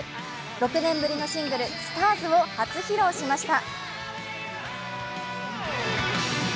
６年ぶりのシングル「ＳＴＡＲＳ」を初披露しました。